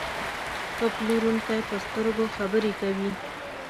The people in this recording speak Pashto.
ښه پلورونکی په سترګو خبرې کوي.